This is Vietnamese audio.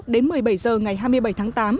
đến một mươi bảy h ngày hai mươi bảy tháng tám